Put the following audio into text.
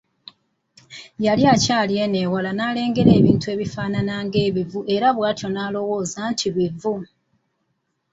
Yali akyali eno ewala n’alengera ebintu ebifaanana ng’ebivu era bwatyo n’alowooza nti bivu.